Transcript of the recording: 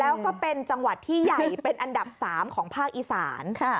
แล้วก็เป็นจังหวัดที่ใหญ่เป็นอันดับ๓ของภาคอีสาน